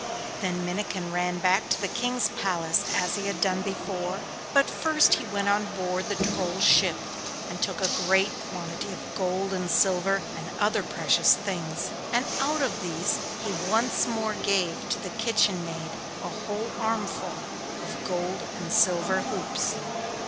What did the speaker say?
Then Minnikin ran back to the King's palace as he had done before, but first he went on board the Troll's ship and took a great quantity of gold and silver and other precious things, and out of these he once more gave to the kitchen maid a whole armful of gold and silver hoops.